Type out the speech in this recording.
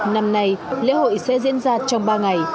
năm nay lễ hội sẽ diễn ra trong ba ngày